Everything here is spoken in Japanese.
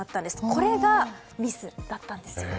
これがミスだったんです。